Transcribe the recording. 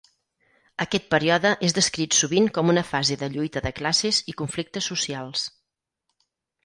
Aquest període és descrit sovint com una fase de lluita de classes i conflictes socials.